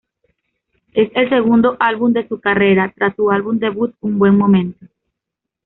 Es el segundo álbum de su carrera, tras su álbum debut "Un buen momento".